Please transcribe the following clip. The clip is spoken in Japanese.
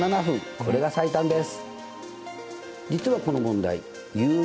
これが最短です。